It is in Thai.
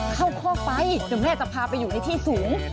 ข้อไฟเดี๋ยวแม่จะพาไปอยู่ในที่สูง